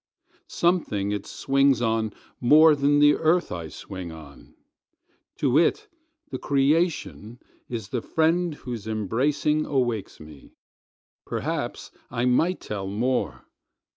Something it swings on more than the earth I swing on; To it the creation is the friend whose embracing awakes me. Perhaps I might tell more.